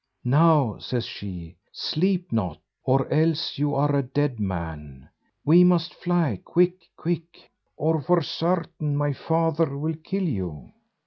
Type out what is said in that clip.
"Now," says she, "sleep not, or else you are a dead man. We must fly quick, quick, or for certain my father will kill you."